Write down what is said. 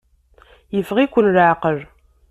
Yeffeɣ-iken leɛqel.